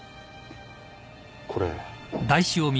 これ。